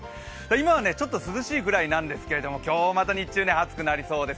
今はちょっと涼しいくらいなんですけど、今日は日中暑くなりそうです。